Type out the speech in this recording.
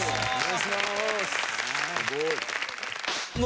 すごい。